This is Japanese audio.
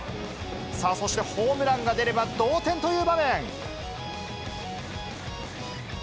そしてホームランが出れば同点という場面。